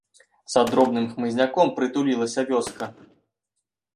За дробным хмызняком прытулілася вёска.